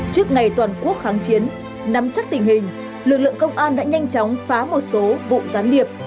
trước ngày toàn quốc kháng chiến nắm chắc tình hình lực lượng công an đã nhanh chóng phá một số vụ gián điệp